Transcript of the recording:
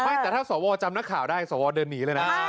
ไม่แต่ถ้าสวจำนักข่าวได้สวเดินหนีเลยนะ